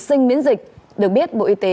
sinh miễn dịch được biết bộ y tế